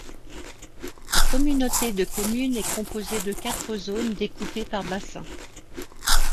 La communauté de communes est composée de quatre zones découpées par bassin.